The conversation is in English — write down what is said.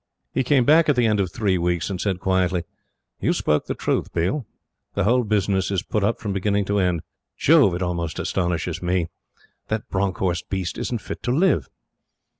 He came back at the end of three weeks, and said quietly: "You spoke the truth, Biel. The whole business is put up from beginning to end. Jove! It almost astonishes ME! That Bronckhorst beast isn't fit to live."